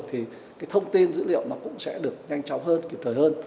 thì cái thông tin dữ liệu nó cũng sẽ được nhanh chóng hơn kịp thời hơn